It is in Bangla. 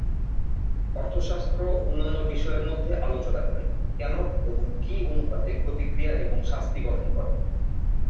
অর্থশাস্ত্র অন্যান্য বিষয়ের মধ্যে আলোচনা করে, কেন এবং কী অনুপাতে প্রতিক্রিয়া এবং শাস্তি গঠন করে।